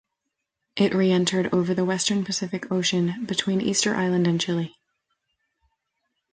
It reentered over the western Pacific Ocean between Easter Island and Chile.